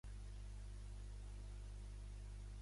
Metall de transició, de color gris d'acer.